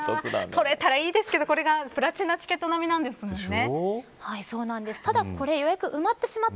取れたらいいですけどこれがプラチナチケット並みなんですものね。